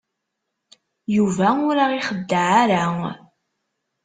Yuba ur aɣ-ixeddeɛ ara.